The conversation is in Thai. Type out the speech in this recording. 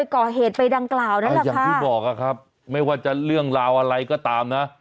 อย่างที่บอกอะครับไม่ว่าจะเรื่องราวอะไรก็ตามนะ